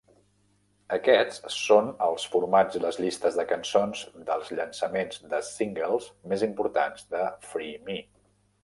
Aquests són els formats i les llistes de cançons dels llançaments de singles més importants de "Free Me".